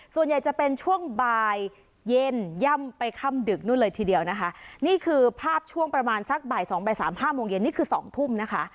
ส่วนใหญ่จะเป็นช่วงบ่ายเย็นย่ำไปค่ำดึกนู่นเลยทีเดียวนะคะนี่คือภาพช่วงประมาณสักบ่ายสองบ่ายสามห้าโมงเย็นนี่คือสองทุ่มนะคะ